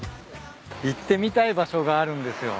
行ってみたい場所があるんですよ。